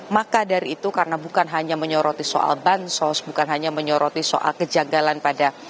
maka dari itu karena bukan hanya menyoroti soal bansos bukan hanya menyoroti soal kejagalan pada